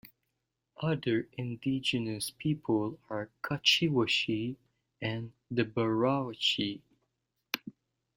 Other indigenous people are the Kociewiacy and the Borowiacy.